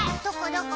どこ？